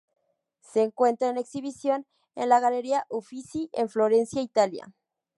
Se encuentra en exhibición en la Galería Uffizi en Florencia, Italia.